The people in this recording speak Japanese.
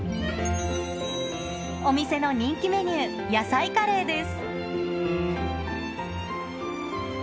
お店の人気メニュー、野菜カレーです。